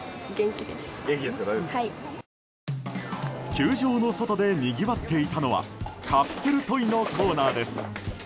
球場の外でにぎわっていたのはカプセルトイのコーナーです。